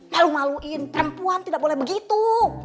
malu maluin perempuan tidak boleh begitu